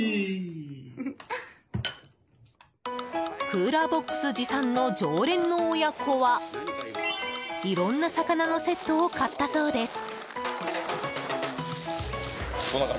クーラーボックス持参の常連の親子はいろんな魚のセットを買ったそうです。